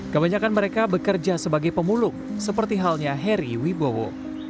kebanyakan mereka bekerja sebagai pemulung seperti halnya heri wibowo